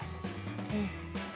うん。